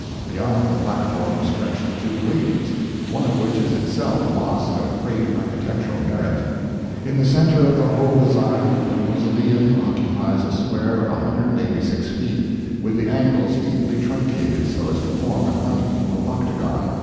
Beyond the platform stretch the two wings, one of which is itself a mosque of great architectural merit. In the center of the whole design the mausoleum occupies a square of 186 feet, with the angles deeply truncated so as to form an unequal octagon.